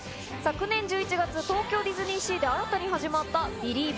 昨年１１月、東京ディズニーシーで新たに始まった、ビリーヴ！